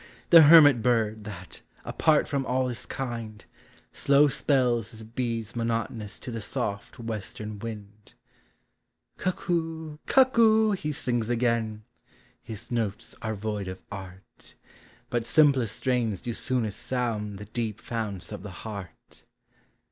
the hermit bird, that, apart from all his kind, Slow spells his beads monotonous to the soft western wind; Cuckoo! Cuckoo! he sings again, — his notes are void of art ; But simplest strains do soonest sound the deep founts of the heart.